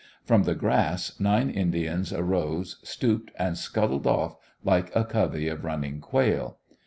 From the grass nine Indians arose, stooped, and scuttled off like a covey of running quail.